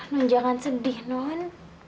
non jangan sedih non